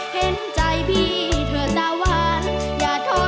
เฮ้ย